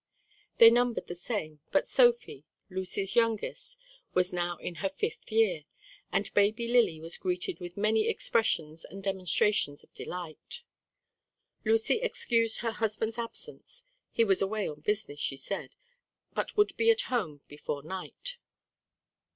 They numbered the same, but Sophie, Lucy's youngest, was now in her fifth year, and Baby Lily was greeted with many expressions and demonstrations of delight. Lucy excused her husband's absence: he was away on business, she said, but would be at home before night.